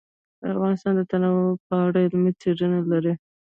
افغانستان د تنوع په اړه علمي څېړنې لري.